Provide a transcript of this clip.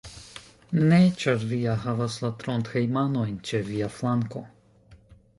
Ne, ĉar vi ja havas la Trondhejmanojn ĉe via flanko.